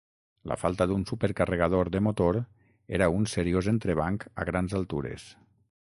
La falta d'un supercarregador de motor era un seriós entrebanc a grans altures.